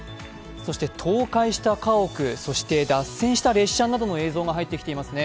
そして倒壊した家屋、脱線した列車などの映像が入ってきています。